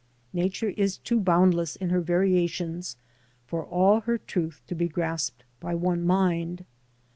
Nature is too boundless in her variations for all her truth to be grasped by one mind.